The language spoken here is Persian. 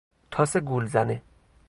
تاس گولزنه